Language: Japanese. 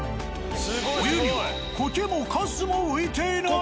お湯にはコケもカスも浮いていない。